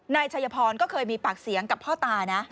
นายชัยพรก็เคยมีปากเสียงกับพ่อตานะ